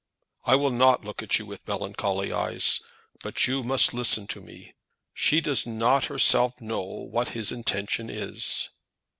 "I will not look at you with melancholy eyes, but you must listen to me. She does not herself know what his intention is."